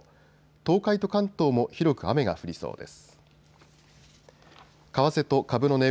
東海と関東も広く雨が降りそうです。